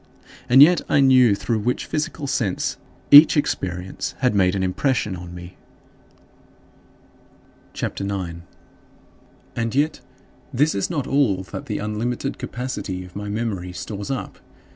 And yet I knew through which physical sense each experience had made an impression on me. CHAPTER IX 16. And yet this is not all that the unlimited capacity of my memory stores up.